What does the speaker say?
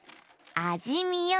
あじみよ！